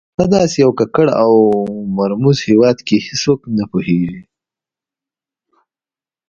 په داسې یو ککړ او مرموز هېواد کې هېڅوک نه پوهېږي.